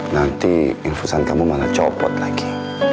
nanti infusan kamu malah copot lagi